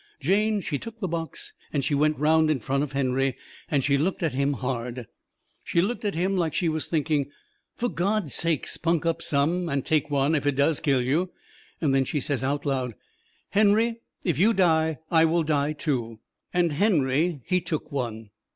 Jane, she took the box and she went round in front of Henry and she looked at him hard. She looked at him like she was thinking: "Fur God's sake, spunk up some, and take one if it DOES kill you!" Then she says out loud: "Henry, if you die I will die, too!" And Henry, he took one.